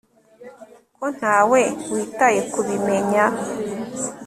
ko ntawe witaye kubimenya